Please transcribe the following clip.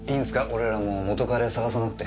俺らも元カレ捜さなくて。